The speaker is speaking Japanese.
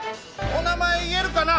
お名前言えるかな？